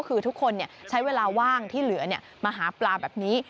คือทุกคนใช้เวลาว่างที่เหลือมาหาปลาแบบนี้